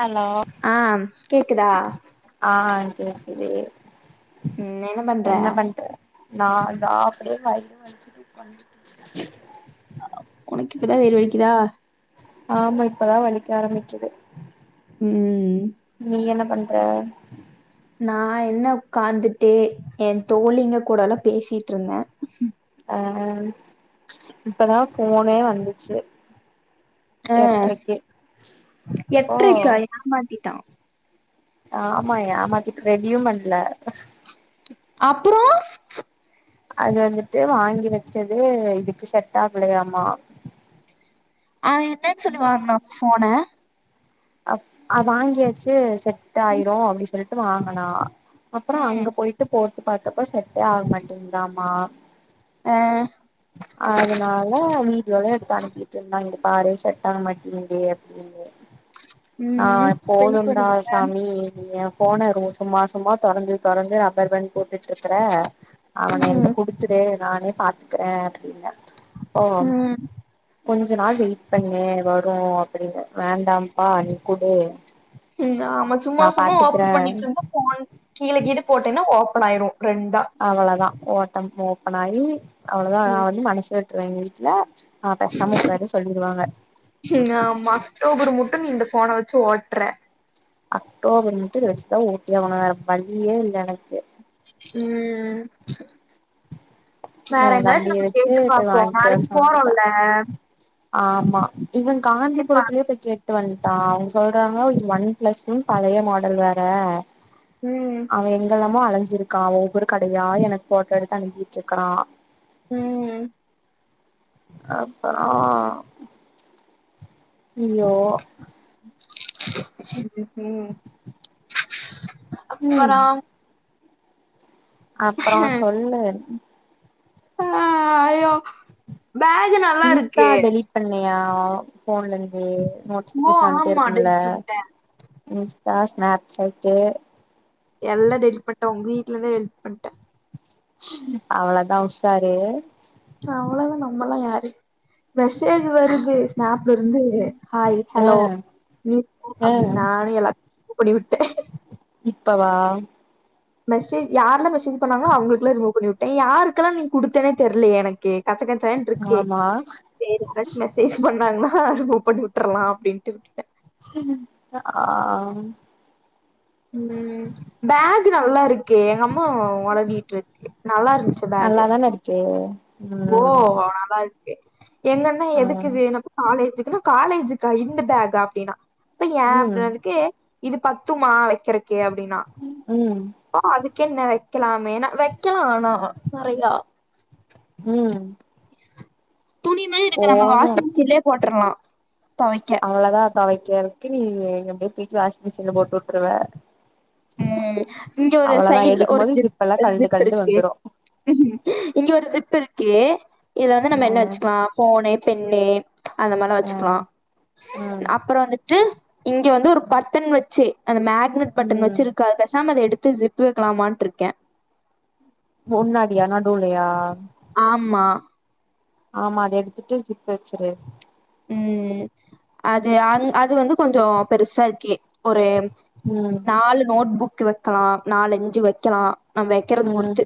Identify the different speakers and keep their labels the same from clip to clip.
Speaker 1: hello
Speaker 2: ஆம் கேக்குதா
Speaker 1: அ அ கேக்குது என்ன பண்ற நா அந்த ஆஃப் டே வய்ரு வலிக்கிது உக்க்காந்துட்ருக்
Speaker 2: உனக்கு இப்பதா வேறு வெலிக்கிதா
Speaker 1: ஆமா இப்பதா வலிக்க ஆரமிக்கிது
Speaker 2: ம் ம் ம்
Speaker 1: நீ என்ன பண்ற
Speaker 2: நா என்ன உக்காந்துட்டு ஏ தோழிங்க கூடல்லா பேசிட்ருந்த
Speaker 1: அ இப்பதா ஃபோனே வந்துச்சு
Speaker 2: அ
Speaker 1: எட்ரைக்கு இப்போ
Speaker 2: எட்ரைக்கா ஏமாத்திட்டா
Speaker 1: ஆமா ஏமாத்துட் ரெடியு பண்ல
Speaker 2: அப்புறோ
Speaker 1: அது வந்துட்டு வாங்கி வச்சது இதுக்கு செட் ஆக்லயாமா
Speaker 2: அவ என்னன் சொல்லி வாங்னா ஃபோன
Speaker 1: அப் அத் வாங்கியாச்சு செட் ஆயிரு அப்டின் சொல்ட்டு வாங்குனா அப்பற அங்க
Speaker 2: ம்
Speaker 1: பொய்ட்டு போட்டு பாத்தப்ப செட்டே ஆக் மாட்டிங்தாமா
Speaker 2: ஆ
Speaker 1: அத்னால வீட்யோலா எடுத்து அனுப்பிட்ருந்தா இது பாரு செட் ஆக மட்டிங்கிது [inaudible]
Speaker 2: [inaudible]
Speaker 1: நா
Speaker 2: அப்ப என்ன
Speaker 1: போதும்ண்டா
Speaker 2: பண்ணுவ
Speaker 1: சாமி ஏ போனரு சும்மா சும்மா தொறந்து தொறந்து ரபர் பேன் போட்டுட்ருக்குற அவன என்ட்ட
Speaker 2: ம்
Speaker 1: குடுத் சுடே நானே பத்துக்குற அப்டின்ன ஒ
Speaker 2: ம்
Speaker 1: கொஞ்ச நாள் வெயிட் பண்ணு வரு அப்புடன்ன வேண்டாம்ப்பா நீ குடு
Speaker 2: ஆமா சும்மா
Speaker 1: நா
Speaker 2: சும்மா
Speaker 1: பாத்துக்கறே
Speaker 2: ஓபன் பண்ணிட்டுருந்த ஃபோன் கீழ கீழ போட்டேன்னா ஓப்பன் ஆயிரு ரெண்டா
Speaker 1: அவ்ளோதா ஓட்டம் ஓப்பன் ஆகி அவுளதா நா
Speaker 2: ம்
Speaker 1: வந்து மனசு விட்ருவ எங்க வீட்ல அ பெசாம உக்காரு சொல்லிருவாங்க
Speaker 2: ம் ஆமா அக்டோபுரு முட்டு நீ இந்த ஃபோன வச்சு ஓட்ற
Speaker 1: அக்டோபர் முட்டு இத வச்சுதா ஒட்டி ஆவுணு வேற வழியே இல்ல எனக்கு
Speaker 2: ம் வேற
Speaker 1: என்
Speaker 2: எங்காச்சு
Speaker 1: தம்பிய
Speaker 2: நம்ம
Speaker 1: வச்சு
Speaker 2: கேட்டு
Speaker 1: போய்
Speaker 2: பாப்போ
Speaker 1: வாங்கிட்டு வர
Speaker 2: நாளைக் போறோல்ல
Speaker 1: சொல்லிட்டேன் ஆமா இவ காந்திபுரத்துலயோ போய் கேட் டு வந்ட்டா அவ்ங் சொல்றாங்க இது ஒன் ப்ளஸ்ன் பழைய மாடல் வேற
Speaker 2: ம்
Speaker 1: அவ எங்கல்லாமோ அலஞ்சிருக்கா ஒவ்வொரு கடயா எனக்கு போட்டோ எடுத்து அனுப்பிட்ருக்குறா
Speaker 2: ம்
Speaker 1: அப்பறோ இய்யோ
Speaker 2: ம்
Speaker 1: ம்
Speaker 2: அப்பறோ
Speaker 1: அப்றோ சொல்லு
Speaker 2: ஆ ஐயோ பேக் நா
Speaker 1: இன்ஸ்டா டெலிட் பண்ணியா போன்ல இந்து நோட்
Speaker 2: ஓ
Speaker 1: [unintelligible] வந்துன்டே
Speaker 2: ஆமா
Speaker 1: இருக்கும்ல
Speaker 2: டெலிட் பண்ட்டே
Speaker 1: இன்ஸ்டா ஸ்நப்சைட்டு
Speaker 2: எல்லா டெலிட் பண்ணிட்ட உங்க வீட்ல இருந்தா டெலிட் பண்ட
Speaker 1: அவ்ளதா உஷாரு
Speaker 2: அவ்ளவுதா நம்மல்லா யாரு மெசேஜ் வருது ஸ்நப் இருந்து ஹாய்
Speaker 1: ஆ
Speaker 2: ஹலோ மீ
Speaker 1: ஆ
Speaker 2: அப்டி நானே எல்லா இது பண்ணி ஊட்
Speaker 1: இப்பவா
Speaker 2: மெசேஜ் யார் எல்ல மெசேஜ் பண்ணாங்களோ அவங்களுக்குல்லாௗ ரிமூவ் பண்ணி உட்ட யாருக்கெல்லா நீ குத்டுத்தேனே தெரியலய எனக்கு கச்ச கச்சட்ருக்கே
Speaker 1: ஆமா
Speaker 2: செரி யாராச்சு மெசேஜ் பண்ணாங்கன்னா மூ பண்ணி உட்றுலா அப்டின்ட்டு விட்டுட்ட
Speaker 1: அ ஆம்
Speaker 2: பேக் நல்லா இருக்கே ஹம் ஓவரா நீட்றதுகே நல்லா இருந்துச்சி பேக்கு
Speaker 1: சே
Speaker 2: ஓ ஆலாக்கு எங்கன்ன எதுக்கு
Speaker 1: ம்
Speaker 2: இது வேணு காலேஜுக்குன்னா காலேஜிக் இந்த பேக்கா அப்டின்னா அப்ப ஏ
Speaker 1: ம்
Speaker 2: இன்னதுக்கு இது பத்துமா வைக்கிற கே அப்டின்னா
Speaker 1: ம்
Speaker 2: பா அதுக்கு என்ன வைக்கலாமே வைக்கல ஆன நறையா
Speaker 1: உம்
Speaker 2: துணி மாதிரி இருக்கு நம்ம
Speaker 1: போது
Speaker 2: வாஷிங் மிஷின்லேயே போட்டுரலா தொவைக்க
Speaker 1: அவ்ளதா தொவைக்கிறதுக்கு நீ எங்க பெட்சீட்ட வாசிங் மிஷின்ல போட்டு உட்டுருவ
Speaker 2: உம் இங்க ஒரு சைட்
Speaker 1: எடுக்கும்
Speaker 2: ஒரு
Speaker 1: போது
Speaker 2: ஜிப்
Speaker 1: ஜிப்பெல்லா கழண்டு
Speaker 2: ஜிப்
Speaker 1: கழண்டு
Speaker 2: இருக்கு
Speaker 1: வந்துரு
Speaker 2: இங்க ஒரு ஜிப் இருக்கு இதுல வந்து
Speaker 1: ஆ
Speaker 2: நம்ம என்ன வச்சிக்கிலா போனு பென்னு அந்த மாதிலா
Speaker 1: ஆ
Speaker 2: வச்சுக்கிலா
Speaker 1: ம்
Speaker 2: அப்ரோ வந்துட்டு இங்க வந்து ஒரு பட்டன் வச்சி அந்த மேக்னெட் பட்டன் வச்சி
Speaker 1: ம்
Speaker 2: இருக்கா பேசாம அத எடுத்து ஜிப் துவைக்கலாமான்டுருக்கே
Speaker 1: முன்னாடியா நடுவுலயா
Speaker 2: ஆமா
Speaker 1: ஆமா அத எடுத்துட்டு சிப் வச்சிரு
Speaker 2: ம் அது ஆந் அது வந்து கொஞ்சோ பெருசா இருக்கு ஒரேம்
Speaker 1: ம்
Speaker 2: நாலு நோட் புக் வைக்கலா நாலு அஞ்சி வைக்கலா நம் வைக்கறத
Speaker 1: ம்
Speaker 2: பொறுத்து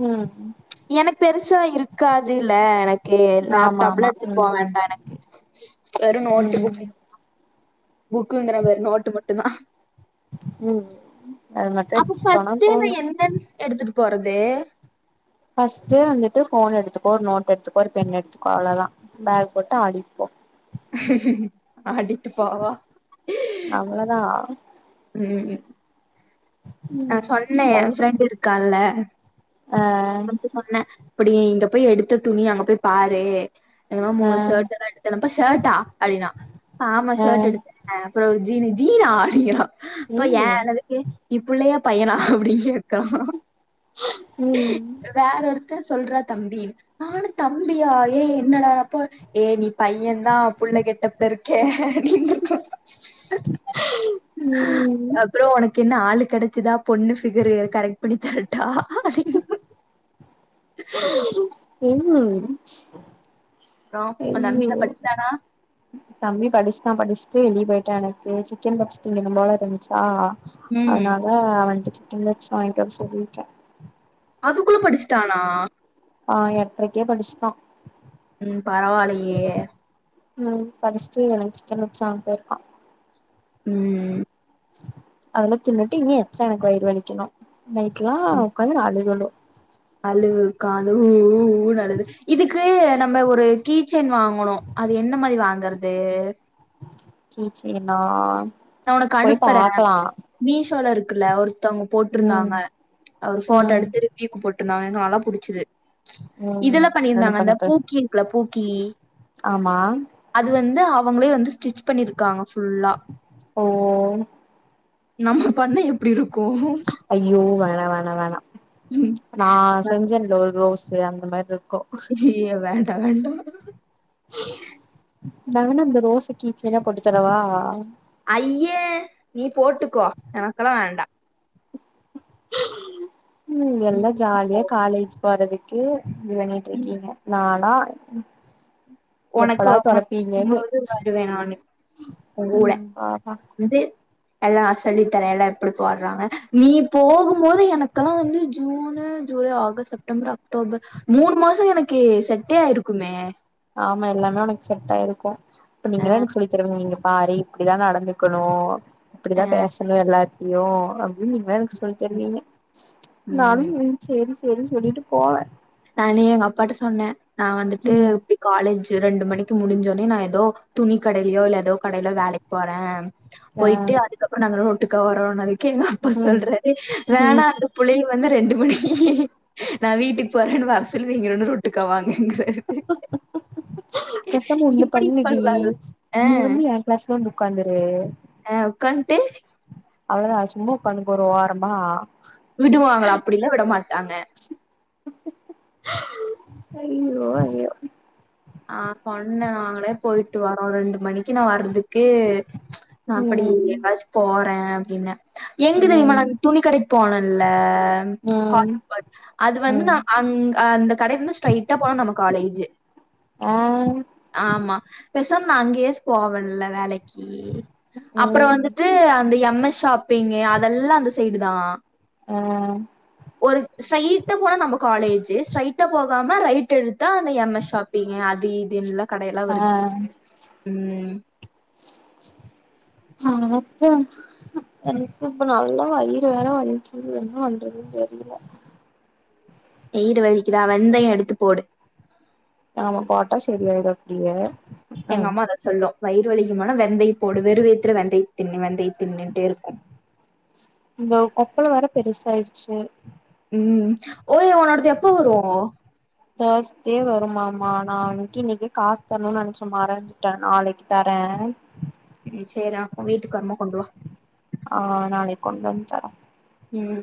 Speaker 1: ம்
Speaker 2: எனக்கு பெருசா இருக்காதுல்ல எனக்கு
Speaker 1: ஆமா ஆமா
Speaker 2: லேப்டாப்லட் போ
Speaker 1: ம்
Speaker 2: வேண்டா எனக்கு வேறு நோட்டு
Speaker 1: ம்
Speaker 2: புக்கு புக்குங்ற மாறி நோட்டு மட்டு தா
Speaker 1: ம் அது மட்டு
Speaker 2: அப்ப
Speaker 1: எடுத்துட்டு போனா
Speaker 2: ஃபர்ஸ்ட் டே நா
Speaker 1: போது
Speaker 2: என்னன் எடுத்துட்டு போறது
Speaker 1: ஃபர்ஸ்ட்டு வந்துட்டு போன் எடுத்துக்கோ நோட் எத்துக்கோ ஒரு பென் எடுத்துக்கோ அவ்ளதா பேக் போட்டு ஆடிட்போ
Speaker 2: ஆடிட்டு போவா
Speaker 1: அவ்ளதா
Speaker 2: ம் ம் நா சொன்ன ஏ ஃப்ரெண்ட் இருக்கால்ல
Speaker 1: அ
Speaker 2: வந்துட்டு சொன்ன அப்படி இங்க போய் எடுத்த துணிய அங்க போய் பாரு என்னமா
Speaker 1: ஆ
Speaker 2: மூணு ஷர்ட் எல்லா எடுத்தப்ப ஷர்ட்டா அடினா ஆ ஆமா ஷர்ட் எடுத் அ அப்புறோ ஒரு ஜீனு ஜீனா அப்டிங்கறா அப்ப ஏ
Speaker 1: ம்
Speaker 2: எனது இ நீ புள்ளையா பையனா அப்டின் கேக்கா
Speaker 1: ம்
Speaker 2: வேற ஒருத்தர் சொல்றா தம்பி நானு தம்பியா ஏ என்னடாப்போ ஏ நீ பையந் தா புள்ள கெட்டப்ல இருக்க அப்டின்னு
Speaker 1: ம்
Speaker 2: அப்புறோ உனக்கு என்ன ஆளு கெடைச்சதா பொண்ணு ஃபிகரு கரெக்ட் பண்ணி தரட்டா அப்டின்னு
Speaker 1: என்ன
Speaker 2: அப்புறோ உ தம்பி என்ன படிச்சிட்டானா
Speaker 1: தம்பி படிச்சுட்டா படிச்சுட்டு வெளிய போய்ட்டா எனக்கு சிக்கன் பப்ஸ் திங்கினு போல இருந்ச்சா
Speaker 2: ம்
Speaker 1: அதனால அவன்ட்ட சிக்கன் பப்ஸ் வாங்கிட்டு வர சொல்லிருக்க
Speaker 2: அதுக்குள்ள படிச்சிட்டானா
Speaker 1: ஆ எட்ரைக்கே படிச்சிட்டா
Speaker 2: ம் பரவாலயே
Speaker 1: ம் படிச்ட்டு வெளிய சிக்கன் பப்ஸ் வாங்க போய்ருக்கா
Speaker 2: ம்
Speaker 1: அதெல்லா தின்னுட்டு இன்னு எச்சா எனக்கு வயிறு வலிக்கணு நைட்ல்லா உக்காந்து நா அழுகணு
Speaker 2: அழுவு உக்காந்து ஊ ஊ ஊனு அழுவு இதுக்கு நம்ம ஒரு கீச்சேன் வாங்கணு அது என்ன மாரி வாங்கறது
Speaker 1: கீச்செய்னா
Speaker 2: நா ஒனக்கு அனுப்பற மீஷோல இருக்குல்ல ஒருத்தவங்க
Speaker 1: ம்
Speaker 2: போட்ருந்தாங்க அவரு ஃபோட்டோ
Speaker 1: ம்
Speaker 2: எடுத்து வீக்கு போட்ருந்தாங்க நல்லா புடிச்சுது
Speaker 1: ம்
Speaker 2: இதெல்லா பண்ணிருந்தாங்க
Speaker 1: அனுப்பு
Speaker 2: அந்த
Speaker 1: அனுப்பு
Speaker 2: பூக்கி இருக்குல்ல பூக்கி
Speaker 1: ஆமா
Speaker 2: அது வந்து அவங்களே வந்து ஸ்டிச் பண்ணிருக்காங்க ஃபுல்லா
Speaker 1: ஓ
Speaker 2: நம்ம பண்ணா எப்படி இருக்கு
Speaker 1: ஐயோ வேணா வேணா வேணா
Speaker 2: ம்
Speaker 1: நா செஞ்சம்ல ஒரு ரோஸ்ஸு அந்த மாருக்கு
Speaker 2: ஐயய வண்டா வண்டா
Speaker 1: நா வேனா அந்த ரோச கீச்செய்னா போட்டு தரவா
Speaker 2: அய்ய நீ போட்டுக்கோ எனக்கெல்லா வேண்டா
Speaker 1: ம் எல்லா ஜாலியா காலேஜ் போறதுக்கு இது பண்ணிட்ருக்கீங்க நாலா
Speaker 2: உனக்கு உனக்கு [inaudible] இது வருவ நானு ஊ கூட
Speaker 1: ம் பாப்பா
Speaker 2: வந்து எல்லா சொல்லித்தரல்ல எப்டி போடுறாங்க நீ போகும் போது எனக்கெல்லா வந்து June July August September October மூணு மாசோ எனக்கு செட்டே ஆய்ருக்குமே
Speaker 1: ஆமா எல்லாமே உனக்கு செட்டாயிருக்கு அப்ப
Speaker 2: அ
Speaker 1: நீங்களே எனக்கு சொல்லி தருவீங்க இங்க பாரு இப்டிதா நடந்துக்கணு
Speaker 2: அ
Speaker 1: இப்படிதா பேசணு எல்லாத்தியு அப்டின்னு நீங்க தா எனக்கு சொல்லி தருவீங்க நானு ம் சேரி சேரின் சொல்லிட்டு போவ
Speaker 2: நானே எங்க அப்பாட்ட சொன்ன நா வந்துட்டு
Speaker 1: ம்
Speaker 2: காலேஜ் ரெண்டு மணிக்கு முடிஞ்சோனே நா ஏதோ துணி கடையிலையோ இல்ல ஏதோ கடைல வேலைக்கு போற
Speaker 1: ஆ
Speaker 2: போய்ட்டு அதுக்கப்புறோ நாங்க ரோட்டுக்கா வரோனாளிக்கி எங்க அப்பா
Speaker 1: ம்
Speaker 2: சொல்றாரு
Speaker 1: ம்
Speaker 2: வேணா புள்ளைங்க வந்து ரெண்டுமே நா வீட்டுக்கு போறேன்னு வர சொல்லி ரொண்டு ரோட்டுக்கா வாங்கங்குறாரு
Speaker 1: பேசாம ஒண்ணு பண்ணுடி
Speaker 2: பண்றாங்க ஆ
Speaker 1: நீ வந்து எங் கிளாஸ்ல வந்து உக்காந்துரு
Speaker 2: ஆ உக்காண்டு
Speaker 1: அவ்ளோதா சும்மா உக்காத்துக்க ஒரு ஓரமா
Speaker 2: விடுவாங்களா அப்படிலா விடமாட்டாங்க
Speaker 1: ஐயோ ஐயோ
Speaker 2: ஆ சொன்னே நாங்களே போயிட்டு வரோ ரெண்டு மணிக்கி நா வர்றதுக்கு நா அப்பிடியே
Speaker 1: ம்
Speaker 2: எங்காச்சு போறே அப்டின்ன எங்க தெரியுமா
Speaker 1: ம்
Speaker 2: நா துணி கடைக்கி போனேல்ல
Speaker 1: ம்
Speaker 2: ஹாட்ஸ் பாட் அது வந்து
Speaker 1: ம்
Speaker 2: நா அங்க அந்த கடையிலருந்து ஸ்ட்ரைட்டா போனா நம்ம காலேஜி
Speaker 1: ஆ
Speaker 2: ஆமா பேசாம் நா அங்கயே போவேல்ல வேலைக்கி அப்புறோ
Speaker 1: ம்
Speaker 2: வந்துட்டு அந்த எம் எஸ் ஷாப்பிங் அதெல்லா அந்த சைடு தா
Speaker 1: அ
Speaker 2: ஒரு ஸ்ட்ரைடா போனா நம்ம காலேஜ் ஸ்ட்ரைட்டா போகாம ரைட் எடுத்தா அந்த எம் எஸ் ஷாப் எ அது இதுயில்லா
Speaker 1: ஆ ஆனா அப்போ எனக்கு இப்ப நல்லா வயிறு வேற வலிக்கிது என்ன பண்றதுன் தெரியல
Speaker 2: வயிறு வலிக்கிதா வெந்தயோ எடுத்து போடு
Speaker 1: ஆமா போட்டா சரியாயிடு அப்டியே
Speaker 2: எங்க
Speaker 1: ம்
Speaker 2: அம்மா அத சொல்லு வயிறு வலிக்கினு போனா வெந்தை போடு வெறுவயுத்துல வெந்தய தின்னு வெந்தைய தின்னுட்டேருக்கு
Speaker 1: இந்த கொப்பளம் வேற பெருசாயிடுச்சு
Speaker 2: ம் ஓய் ஒன்னோடது எப்போ வரு
Speaker 1: தேர்ஸ்டே வருமாமா நா அன்னைக்கி இன்னைக்கே காசு தரணுன்னு நெனைச்சே மறந்துட்டே நாளைக்கி தரே
Speaker 2: ம் சேரி அப்பருமேட்டு கருமா கொண்டுவா
Speaker 1: ஆ நாளைக்கி கொண்டு வந்து தரே
Speaker 2: ம்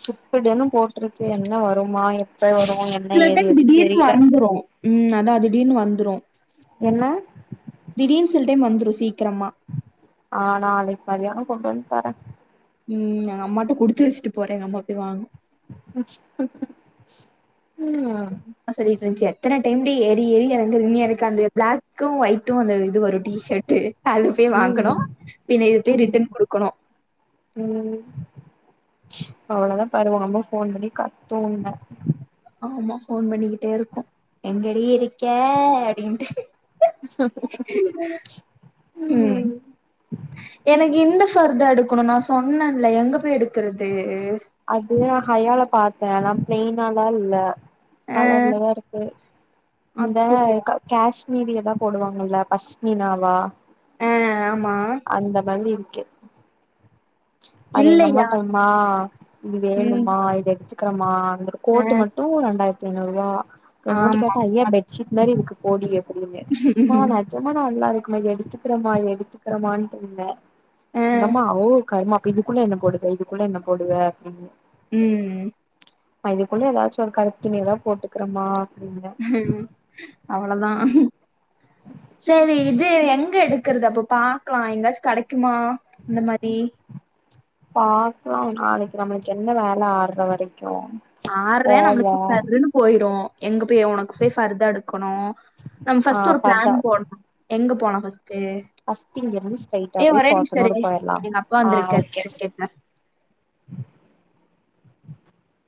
Speaker 1: சிப்புதன்ன போட்ருக்கே என்ன வருமா எப்ப வரு என்ன
Speaker 2: சில
Speaker 1: ஏது
Speaker 2: டைம்
Speaker 1: எதுன்னு
Speaker 2: திடீர்னு
Speaker 1: தெரியல
Speaker 2: வந்துரு ம் அதா திடீரன்னு வந்துடு
Speaker 1: என்ன
Speaker 2: திடீர்ன் சில டைம் வந்துரு சீக்கிரமா
Speaker 1: ஆ நாளைக்கி மதியானோ கொண்டு வந்து தரே
Speaker 2: ம் எங்க அம்மாட்ட குடுத்து வச்சிட்டு போறே எங்க அம்மா போய் வாங்கு
Speaker 1: ம்
Speaker 2: அதா சொல்லிருந்துச்சு எத்தன டைம்டி ஏறி ஏறி எறங்குவிங்க அந்த ப்ளாக்கு ஒயட்டு அந்த இது வரு டி ஷர்ட் ட்டு அது போயி வாங்கணு
Speaker 1: ம்
Speaker 2: பின்ன இது போய்
Speaker 1: ம்
Speaker 2: ரிட்டன் குடுக்கணு
Speaker 1: ம் அவ்ளோதா பாரு உங்க அம்மா ஃபோன் பண்ணி கத்து உன்ன
Speaker 2: ஆமா ஃபோன் பண்ணிக்கிட்டே இருக்கு எங்கடி இருக்கே அப்டின்ட்டு ம் எனக்கு இந்த ஃபர்தார் எடுக்கணு நா சொன்னேன்ல எங்க போய் எடுக்கறது
Speaker 1: அது நா ஹையால பாத்தே ஆனா ப்ளைன்னால்ல இல்ல
Speaker 2: ஆ
Speaker 1: கலர்லதா இருக்கு இந்த
Speaker 2: அப்டியா
Speaker 1: கல காஷ்மீரியதா போடுவாங்கல்ல பஷ்மினாவா
Speaker 2: ஆ ஆமா
Speaker 1: அந்தமாதிரி இருக்கு அது எங்க
Speaker 2: இல்லையா
Speaker 1: அம்மாட்ட மா இது
Speaker 2: ம்
Speaker 1: வேணுமா இது எடுத்துக்கறமா அந்த
Speaker 2: ஆ
Speaker 1: கோட்டு மட்டு ரெண்டாயிரத்தி ஐநூறு ரூபா என்னாவாட்டி
Speaker 2: ஆமா
Speaker 1: கேட்டா அய்ய பெ்ஷீட் மாரி இருக்கு போடி அப்டின்னே நான நிஜமா நல்லா இருக்குமா இத எடுத்துக்கறமா எடுத்துக்கறமான்னு சொன்னே
Speaker 2: ஆ
Speaker 1: எங்க அம்மா ஓ கரும்மா இதுக்குள்ள என்ன போடுவே இதுக்குள்ள என்ன போடு அப்டின்னு
Speaker 2: ம்
Speaker 1: இதுக்குள்ள ஏதாச்சு ஒரு கருப்பு துணிதா போட்டுக்கிறேம்மா அப்டின்ன
Speaker 2: அவ்ளதா சேரி இது எங்க எடுக்கறது அப்ப பா க்லா இந்த டிரஸ் கெடைக்குமா அந்த மாரி
Speaker 1: பாக்கலா நாளைக்கு நம்மளுக்கு என்ன வேல ஆர்ற வரைக்கு
Speaker 2: ஆர்ற
Speaker 1: போவோ
Speaker 2: நம்மளுக்கு சர்ருன்னு போயிரும் எங்க போயி உனக்கு போயி ஃபர்தா எடுக்கணு நம்ம
Speaker 1: ஆ
Speaker 2: ஃபஸ்ட் ஒரு
Speaker 1: ஃபர்தா
Speaker 2: பிளான் போட்னோ எங்க போனலா ஃபர்ஸ்ட் தே
Speaker 1: ஃபஸ்ட் இங்க இருந்து ஸ்ட்ரைட்டா
Speaker 2: ஏ
Speaker 1: போய்
Speaker 2: ஒரே நிம்ஷோ
Speaker 1: போத்தனூர்
Speaker 2: இருடி
Speaker 1: போயிடலா
Speaker 2: எங்க அப்பா
Speaker 1: ஆ
Speaker 2: வந்திருக்காரு
Speaker 1: ஓகே
Speaker 2: என்னானு கேக்குற